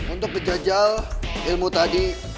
untuk menjajal ilmu tadi